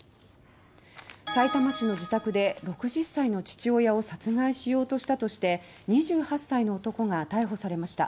さいたま市の自宅で６０歳の父親を殺害しようとしたとして２８歳の男が逮捕されました。